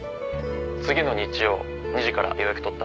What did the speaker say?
次の日曜２時から予約取った。